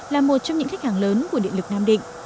là một trong những khách hàng lớn của điện lực nam định